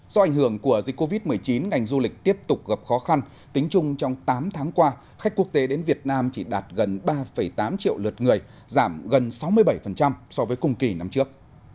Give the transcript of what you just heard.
do ảnh hưởng của dịch covid một mươi chín ngành du lịch tiếp tục gặp khó khăn tính chung trong tám tháng qua khách quốc tế đến việt nam chỉ đạt gần ba tám triệu lượt người giảm gần sáu mươi bảy so với cùng kỳ năm trước